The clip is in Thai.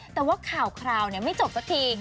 แต่ว่าข่าวคราวไม่จบสักที